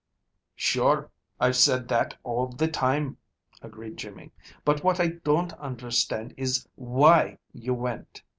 "Sure! I've said that all the time," agreed Jimmy. "But what I don't understand is, WHY you went!